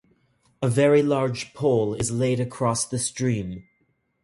A very large pole is laid across the stream.